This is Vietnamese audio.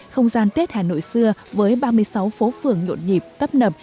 không gian tết hà nội xưa với ba mươi sáu phố phường nhộn nhịp tấp nập